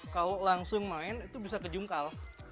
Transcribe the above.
kalau langsung main itu bisa kejungkal